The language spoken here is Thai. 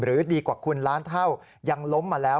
ดีกว่าคุณล้านเท่ายังล้มมาแล้ว